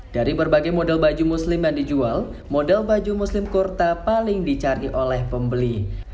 dari berbagai model baju muslim yang dijual model baju muslim kurta paling dicari oleh pembeli